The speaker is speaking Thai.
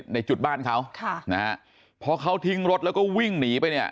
ในจุดบ้านเขาค่ะนะฮะพอเขาทิ้งรถแล้วก็วิ่งหนีไปเนี่ย